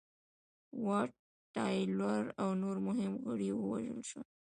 واټ تایلور او نور مهم غړي ووژل شول.